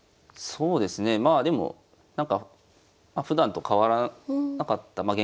そうですねまあでもなんかふだんと変わらなかった。